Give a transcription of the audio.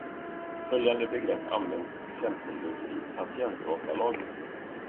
Följande begrepp används exempelvis i patientdatalagen.